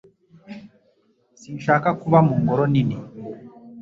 Sinshaka kuba mu ngoro nini